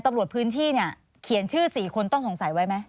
ตำรวจพื้นที่เนี่ยเขียนชื่อ๔คนต้องสงสัยไว้ไหม